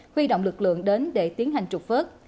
huy động lực lượng đến để tiến hành trục vớt